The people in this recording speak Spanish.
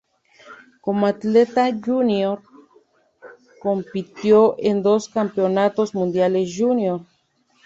Como atleta júnior compitió en dos Campeonatos Mundiales Junior.